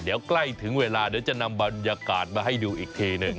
เดี๋ยวใกล้ถึงเวลาเดี๋ยวจะนำบรรยากาศมาให้ดูอีกทีหนึ่ง